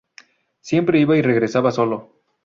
Siempre iba y regresaba solo.